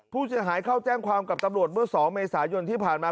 ผู้เสียหายเข้าแจ้งความกับตำรวจเมื่อ๒เมษายนที่ผ่านมา